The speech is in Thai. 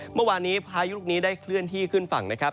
เมื่อวานนี้พายุลูกนี้ได้เคลื่อนที่ขึ้นฝั่งนะครับ